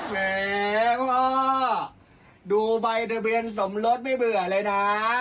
แหมว่าดูใบทะเบียนสมรสไม่เบื่อเลยนะ